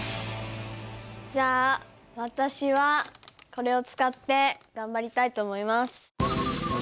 じゃあ私はこれを使って頑張りたいと思います。